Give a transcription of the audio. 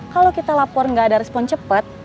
kalau kita lapor nggak ada respon cepat